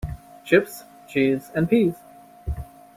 Chips, cheese and peas.